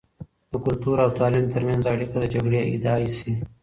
د کلتور او تعليم تر منځ اړیکه د جګړې ادعایی شې.